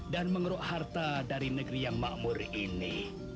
dan mengeruk harta dari negeri yang makmur ini